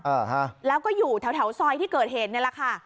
อ่าฮะแล้วก็อยู่แถวแถวซอยที่เกิดเหตุนี่แหละค่ะ